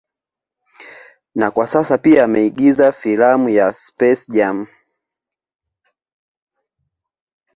Na kwa sasa pia ameigiza filamu ya SpaceJam